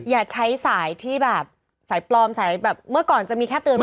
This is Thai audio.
อย่าใช้สายที่แบบสายปลอมสายแบบเมื่อก่อนจะมีแค่เตือน